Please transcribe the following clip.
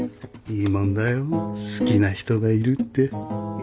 いいもんだよ好きな人がいるって。